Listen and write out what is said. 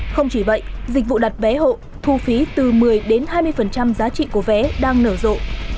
không chỉ vậy dịch vụ đặt vé hộ thu phí từ một mươi đến hai mươi giá trị của vé đang nở rộ